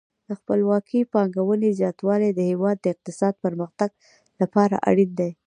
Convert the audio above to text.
د خپلواکې پانګونې زیاتوالی د هیواد د اقتصادي پرمختګ لپاره اړین دی.